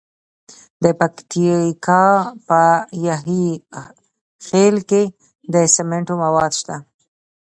د پکتیکا په یحیی خیل کې د سمنټو مواد شته.